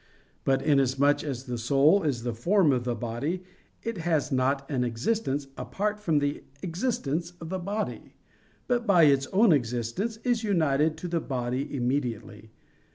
But inasmuch as the soul is the form of the body, it has not an existence apart from the existence of the body, but by its own existence is united to the body immediately.